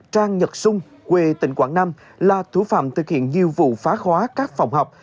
trang nhật xung quê tỉnh quảng nam là thủ phạm thực hiện nhiều vụ phá khóa các phòng học